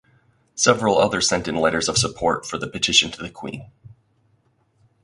Several others sent in letters of support for the petition to the Queen.